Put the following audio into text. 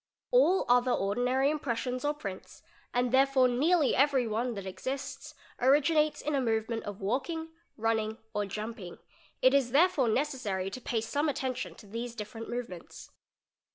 All other ordinary impressions or prints, and therefore nearly every 'one that exists, originates in a movement of walking, running, or jump . ing; it is therefore necessary to pay some attention to these different m ovements.